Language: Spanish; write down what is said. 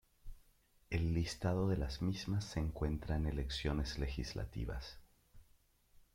El listado de las mismas se encuentra en elecciones legislativas.